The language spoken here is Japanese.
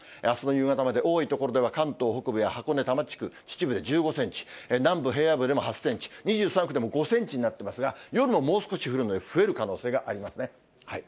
あすの夕方まで、多い所では関東北部や箱根、多摩地区、秩父で１５センチ、南部平野部でも８センチ、２３区でも５センチになっていますが、夜ももう少し降るので増える可能性がありますね。